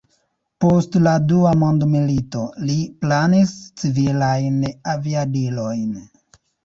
Post la dua mondmilito, li planis civilajn aviadilojn.